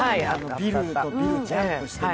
ビルとビルをジャンプして。